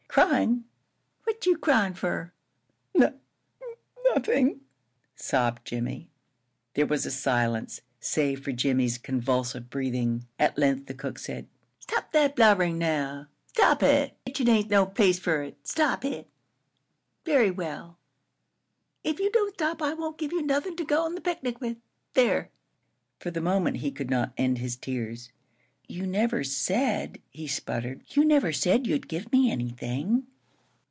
Cryin'? What are you cryin' fer?" "N n nothin'," sobbed Jimmie. There was a silence, save for Jimmie's convulsive breathing. At length the cook said: "Stop that blubberin', now. Stop it! This kitchen ain't no place fer it. Stop it!... Very well! If you don't stop, I won't give you nothin' to go to the picnic with there!" For the moment he could not end his tears. "You never said," he sputtered "you never said you'd give me anything."